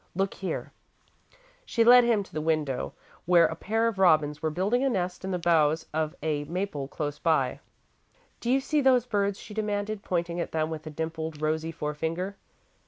Look here." She led him to the window, where a pair of robins were building a nest in the boughs of a maple close by. "Do you see those birds?" she demanded, pointing at them with a dimpled, rosy forefinger.